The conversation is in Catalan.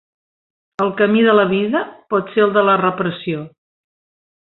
El camí de la vida pot ser el de la repressió.